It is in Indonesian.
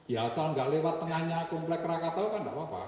ya asal enggak lewat tengahnya komplek krakatau kan enggak apa apa